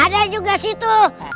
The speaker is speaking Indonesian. ada juga situ